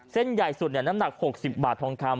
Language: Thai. เส้นใหญ่สุดน้ำหนัก๖๐บาททองคำ